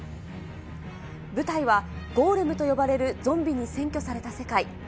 舞台は、ゴーレムと呼ばれるゾンビに占拠された世界。